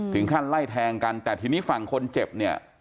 ถึงขั้นไล่แทงกันแต่ทีนี้ฝั่งคนเจ็บเนี่ย